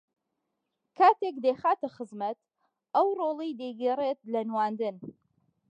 کاتێک دەیخاتە خزمەت ئەو ڕۆڵەی دەیگێڕێت لە نواندن